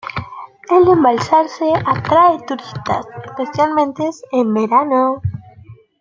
El embalse atrae turistas, especialmente en el verano.